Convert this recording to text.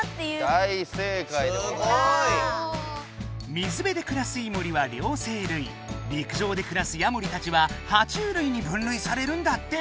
水べでくらすイモリは両生類りく上でくらすヤモリたちはは虫類に分類されるんだって。